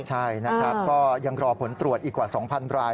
ใช่ยังรอผลตรวจอีกกว่า๒๐๐๐ราย